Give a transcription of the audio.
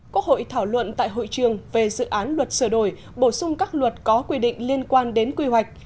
quốc hội thảo luận tại hội trường về dự án luật sửa đổi bổ sung các luật có quy định liên quan đến quy hoạch